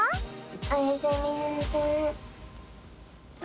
おやすみなさい。